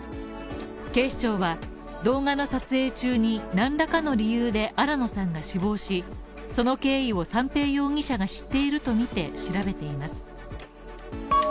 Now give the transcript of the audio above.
警視庁は動画の撮影中に何らかの理由で新野さんが死亡し、その経緯を三瓶容疑者が知っているとみて調べています。